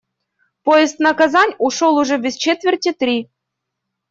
Поезд на Казань ушёл уже без четверти три.